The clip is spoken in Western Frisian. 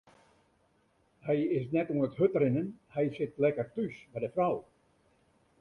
Hy is net oan it hurdrinnen, hy sit lekker thús by de frou.